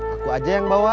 aku aja yang bawa